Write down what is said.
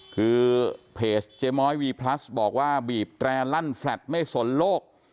คือเพจเจม้อยวีพลัสบอกว่าบีบแตร่ลั่นแฟลตไม่สนโลก